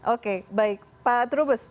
oke baik pak terubes